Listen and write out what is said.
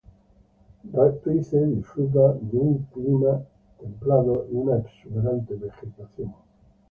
Rize disfruta de un clima templado y una exuberante vegetación.